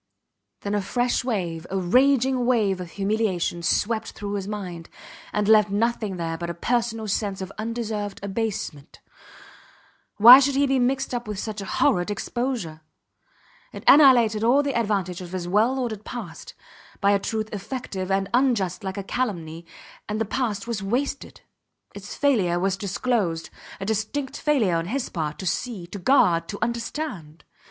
Then a fresh wave, a raging wave of humiliation, swept through his mind, and left nothing there but a personal sense of undeserved abasement. Why should he be mixed up with such a horrid exposure! It annihilated all the advantages of his well ordered past, by a truth effective and unjust like a calumny and the past was wasted. Its failure was disclosed a distinct failure, on his part, to see, to guard, to understand.